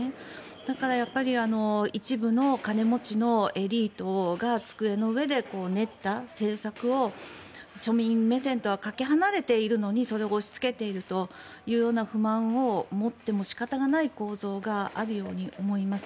だから一部の金持ちのエリートが机の上で練った政策を庶民目線とはかけ離れているのにそれを押しつけているという不満を持っても仕方がない構造があるように思います。